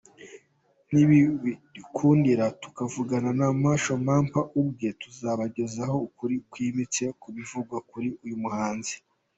Nibidukundira tukavugana na Masho Mampa ubwe ,turabagezaho ukuri kwimbitse ku bivugwa kuri uyu muhanzi.